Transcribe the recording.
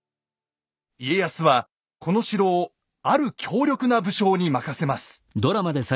家康はこの城をある強力な武将に任せます。